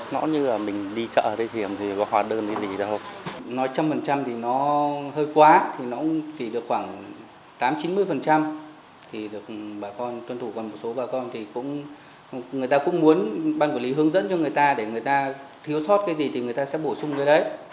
người ta cũng muốn ban quản lý hướng dẫn cho người ta để người ta thiếu sót cái gì thì người ta sẽ bổ sung cho đấy